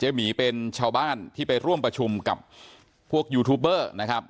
หมีเป็นชาวบ้านที่ไปร่วมประชุมกับพวกยูทูบเบอร์นะครับ